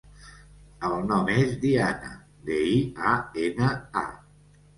El nom és Diana: de, i, a, ena, a.